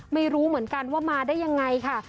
ไม่รู้เหมือนกันว่ามาได้ยังไงค่ะ